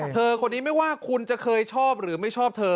เธอคนนี้ไม่ว่าคุณจะเคยชอบหรือไม่ชอบเธอ